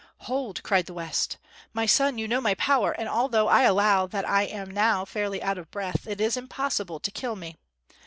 "Hold!" cried the West. "My son, you know my power, and although I allow that I am now fairly out of breath, it is impossible to kill me.